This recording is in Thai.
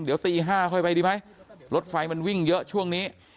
เดี๋ยวตี๕ค่อยไปดีไหมรถไฟมันวิ่งเยอะช่วงนี้